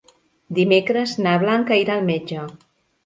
Dimecres na Blanca irà al metge.